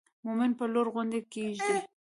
مومن پر لوړه غونډۍ کېږدئ.